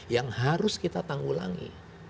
yang harus kita tanggulangi